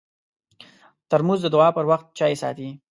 ترموز د دعا پر وخت چای ساتي.